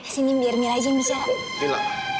sini biar mila aja yang bicara